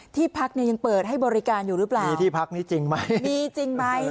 ที่พักเนี่ยยังเปิดให้บริการอยู่หรือเปล่ามีที่พักนี้จริงไหมมีจริงไหม